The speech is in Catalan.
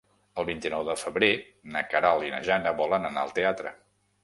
El vint-i-nou de febrer na Queralt i na Jana volen anar al teatre.